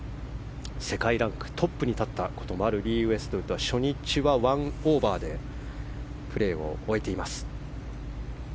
世界ランクでトップに立ったこともあるリー・ウエストウッドは初日は１オーバーでプレーを終えています。